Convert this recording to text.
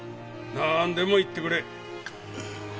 なんでも言ってくれ。